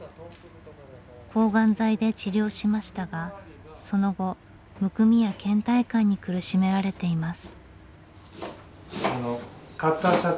抗がん剤で治療しましたがその後むくみやけん怠感に苦しめられています。